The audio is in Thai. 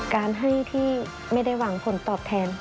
การให้ที่ไม่ได้หวังผลตอบแทน